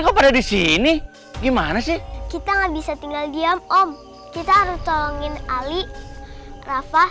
kok pada di sini gimana sih kita nggak bisa tinggal diam om kita harus tolongin ali rafa